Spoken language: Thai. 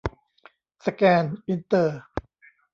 สแกน อินเตอร์